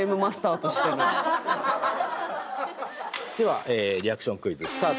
ではリアクションクイズスタートです。